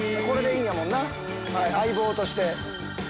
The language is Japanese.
これでいいんやもんな相棒として。